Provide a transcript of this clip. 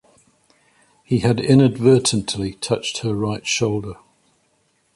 He had inadvertently touched her right shoulder.